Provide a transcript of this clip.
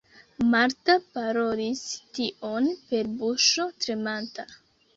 Marta parolis tion per buŝo tremanta.